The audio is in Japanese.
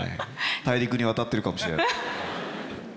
大陸に渡ってるかもしれない。